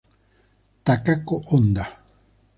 Takako Honda